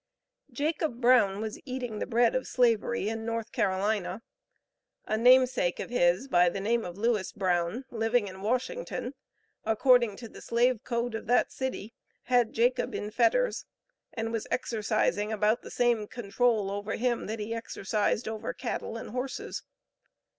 Jacob Brown was eating the bread of Slavery in North Carolina. A name sake of his by the name of Lewis Brown, living in Washington, according to the slave code of that city had Jacob in fetters, and was exercising about the same control over him that he exercised over cattle and horses.